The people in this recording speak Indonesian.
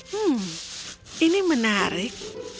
hmm ini menarik